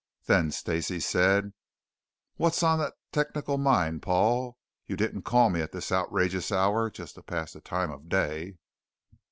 Then Stacey said: "What's on the technical mind, Paul? You didn't call me at this outrageous hour just to pass the time of day."